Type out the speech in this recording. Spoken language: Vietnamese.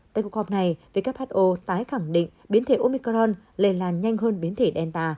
tại cuộc họp này who tái khẳng định biến thể omicron lề làn nhanh hơn biến thể delta